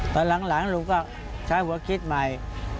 ตอนหลังลูกก็ใช้หัวคิดใหม่